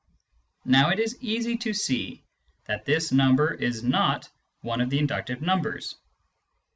Now it is easy to see that this number is not one of the inductive numbers.